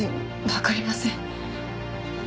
わかりません。